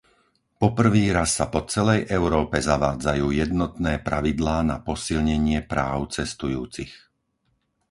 Po prvý raz sa po celej Európe zavádzajú jednotné pravidlá na posilnenie práv cestujúcich.